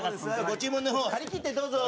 ご注文の方張り切ってどうぞ！